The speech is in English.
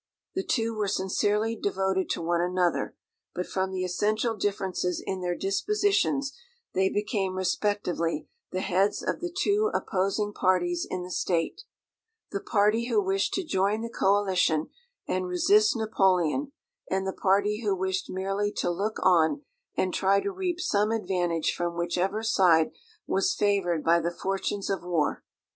The two were sincerely devoted to one another; but from the essential differences in their dispositions, they became respectively the heads of the two opposing parties in the State; the party who wished to join the coalition and resist Napoleon, and the party who wished merely to look on and try to reap some advantage from whichever side was favoured by the fortunes of war.